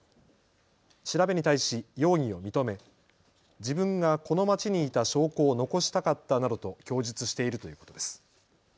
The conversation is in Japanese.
調べに対し容疑を認め自分がこの街にいた証拠を残したかったなどと供述しているということです。